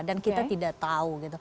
dan kita tidak tahu